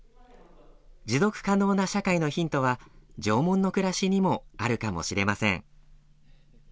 持続可能な社会のヒントは縄文の暮らしにもあるかもしれません。